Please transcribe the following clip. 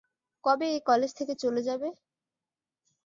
কবে এই কলেজ থেকে চলে যাবে।